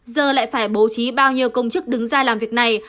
giờ lại phải bố trí bao nhiêu công chức đứng ra làm việc này